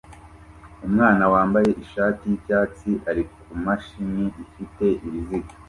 Umwana wambaye ishati yicyatsi ari kumashini ifite ibiziga